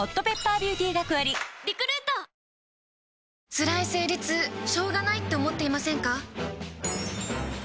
つらい生理痛しょうがないって思っていませんか？